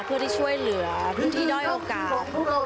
เพื่อที่ช่วยเหลือพื้นที่ด้อยโอกาส